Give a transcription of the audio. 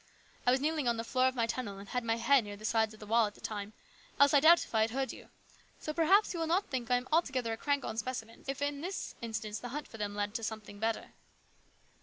I was kneeling on the floor of the tunnel and had my head near the sides of the wall at the time, else I doubt if I had heard you. So perhaps you will not think I am altogether a crank on specimens if in this instance the hunt for them led to something better."